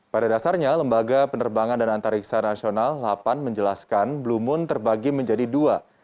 pada dasarnya lembaga penerbangan dan antariksa nasional delapan menjelaskan blue moon terbagi menjadi dua